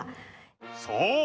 そう。